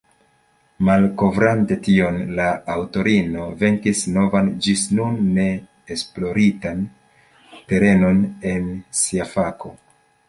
Malkovrante tion, la aŭtorino venkis novan ĝis nun ne esploritan terenon en sia fako.